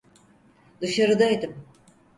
Dışarıdaydım.